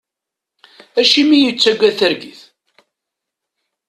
Acimi i yettaggad targit?